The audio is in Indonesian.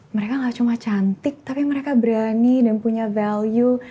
mereka gak cuma cantik tapi mereka berani dan punya value